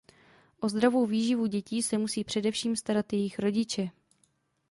O zdravou výživu dětí se musí především starat jejich rodiče.